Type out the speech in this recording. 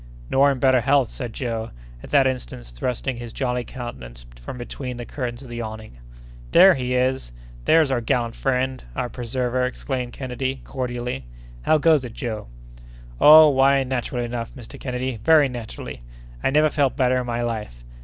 "Nor in better health," said Joe, at that instant thrusting his jolly countenance from between the curtains of the awning. "There he is! there's our gallant friend—our preserver!" exclaimed Kennedy, cordially.—"How goes it, Joe?" "Oh! why, naturally enough, Mr. Kennedy, very naturally! I never felt better in my life!